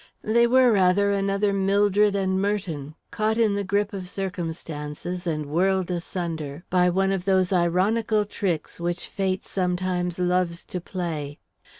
They were rather another Mildred and Mertoun, caught in the grip of circumstance and whirled asunder, by one of those ironical tricks which fate sometimes loves to play.